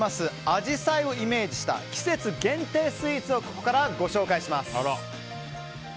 アジサイをイメージした季節限定スイーツをここからはご紹介します。